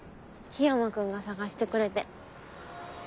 緋山君が探してくれて。